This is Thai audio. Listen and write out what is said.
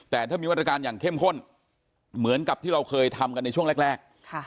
แต่ถ้ามีมาตรการอย่างเข้มข้นเหมือนกับที่เราเคยทำกันในช่วงแรก